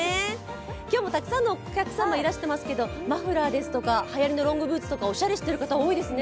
今日もたくさんのお客様がいらしてますけどマフラーですとはやりのロングブーツとかおしゃれしている方、多いですね。